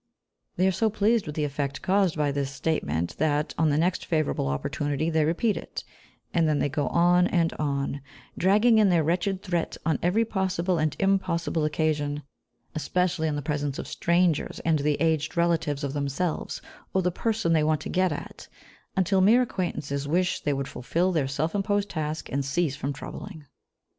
They are so pleased with the effect caused by this statement, that, on the next favourable opportunity, they repeat it; and then they go on and on, dragging in their wretched threat on every possible and impossible occasion, especially in the presence of strangers and the aged relatives of themselves or the person they want to get at, until mere acquaintances wish they would fulfil their self imposed task and cease from troubling.